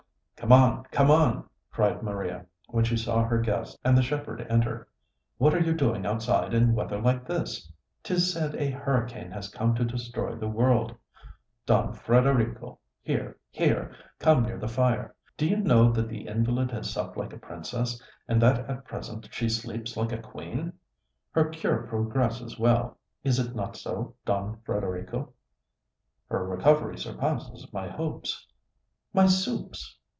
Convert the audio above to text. "Come on! Come on!" cried Maria, when she saw her guest and the shepherd enter. "What are you doing outside in weather like this? 'Tis said a hurricane has come to destroy the world. Don Frederico, here, here! come near the fire. Do you know that the invalid has supped like a princess, and that at present she sleeps like a queen! Her cure progresses well is it not so, Don Frederico?" "Her recovery surpasses my hopes." "My soups!"